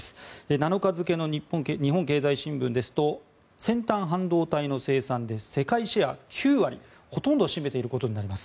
７日付の日本経済新聞ですと先端半導体の生産で世界シェア９割、ほとんどを占めていることになります。